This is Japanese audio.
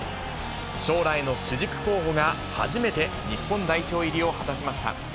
将来の主軸候補が初めて日本代表入りを果たしました。